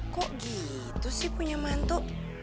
kok gitu sih punya mantu